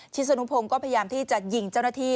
สนุพงศ์ก็พยายามที่จะยิงเจ้าหน้าที่